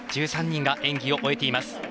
１３人が演技を終えています。